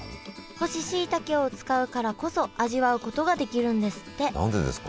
干ししいたけを使うからこそ味わうことができるんですって何でですか？